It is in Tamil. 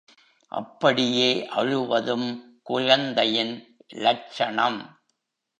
அப்படியே அழுவதும் குழந்தையின் லட்சணம்.